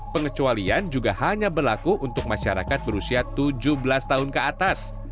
pengecualian juga hanya berlaku untuk masyarakat berusia tujuh belas tahun ke atas